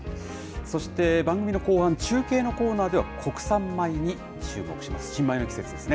そして、番組の後半、中継のコーナーでは、国産米に注目します。